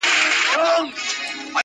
خلک د نړيوالو خبرونو په اړه بحث کوي